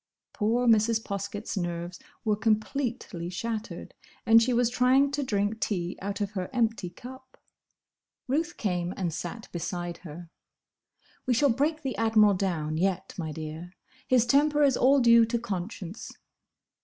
Poor Mrs. Poskett's nerves were completely shattered, and she was trying to drink tea out of her empty cup. Ruth came and sat beside her. "We shall break the Admiral down, yet, my dear. His temper is all due to conscience."